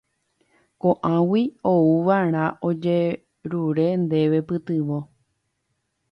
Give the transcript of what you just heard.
Ko'águi ouva'erã ojerure ndéve pytyvõ.